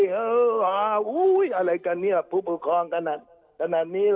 เฮ่ยอะไรกันนี่ผู้ปกครองขนาดนี้เหรอ